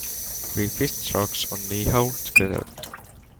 We fished sharks on Niihau together.